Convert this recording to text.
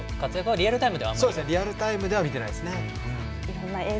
リアルタイムでは見ていないですね。